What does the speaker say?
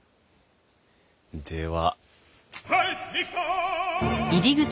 では。